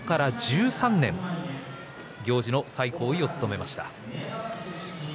そこから１３年行司の最高位を務めました。